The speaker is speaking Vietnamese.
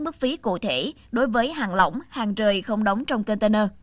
mức phí cụ thể đối với hàng lỏng hàng rời không đóng trong container